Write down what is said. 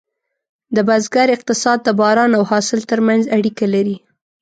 د بزګر اقتصاد د باران او حاصل ترمنځ اړیکه لري.